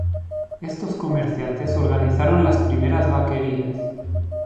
Estos comerciantes organizaron las primeras vaquerías.